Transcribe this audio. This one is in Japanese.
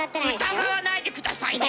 疑わないで下さいね！